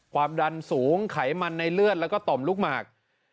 ความดันสูงไขมันในเลือดแล้วก็ต่อมลูกหมาก